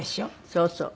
そうそう。